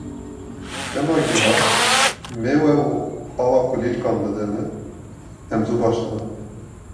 Dema gîha, mêwe û ava kulîlkan dide me, em zû baş dibin.